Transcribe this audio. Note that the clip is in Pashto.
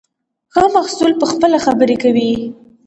ښه محصول پخپله خبرې کوي.